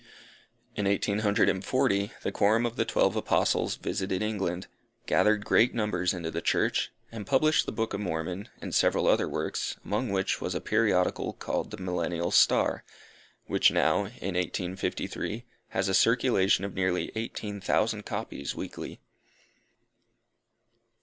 In eighteen hundred and forty, the quorum of the Twelve Apostles visited England, gathered great numbers into the Church, and published the Book of Mormon, and several other works, among which was a periodical called the Millennial Star, which now, in 1853, has a circulation of nearly eighteen thousand copies weekly.